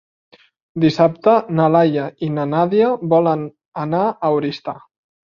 Dissabte na Laia i na Nàdia volen anar a Oristà.